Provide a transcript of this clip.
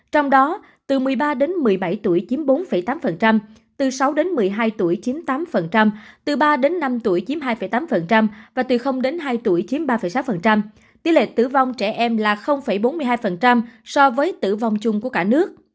trong đó từ một mươi ba một mươi bảy tuổi chiếm bốn tám từ sáu một mươi hai tuổi chiếm tám từ ba năm tuổi chiếm hai tám và từ hai tuổi chiếm ba sáu